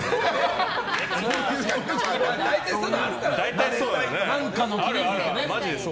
大体そういうのあるからね。